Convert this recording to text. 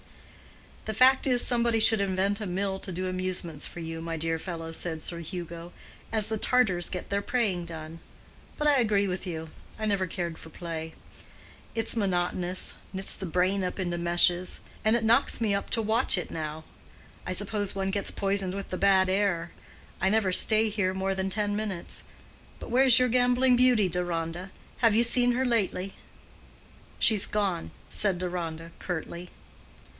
"The fact is, somebody should invent a mill to do amusements for you, my dear fellow," said Sir Hugo, "as the Tartars get their praying done. But I agree with you; I never cared for play. It's monotonous—knits the brain up into meshes. And it knocks me up to watch it now. I suppose one gets poisoned with the bad air. I never stay here more than ten minutes. But where's your gambling beauty, Deronda? Have you seen her lately?" "She's gone," said Deronda, curtly.